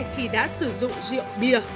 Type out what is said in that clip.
khi đã sử dụng rượu bia